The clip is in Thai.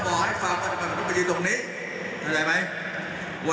ใครไม่รู้ยกมือ